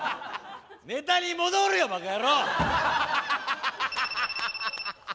ネタに戻るよばか野郎！